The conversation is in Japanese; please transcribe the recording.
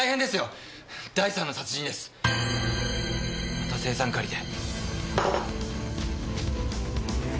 また青酸カリで。